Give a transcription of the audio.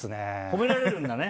褒められるんだね。